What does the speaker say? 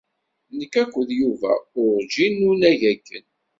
Nekk akked Yuba urǧin n unag akken.